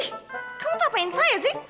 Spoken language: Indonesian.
ih kamu tuh ngapain saya sih